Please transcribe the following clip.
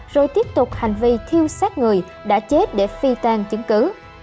rồi tiếp tục hành vi thiêu sát người đã chết để phi tan chứng cứ